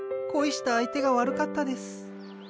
恋した相手が悪かったです。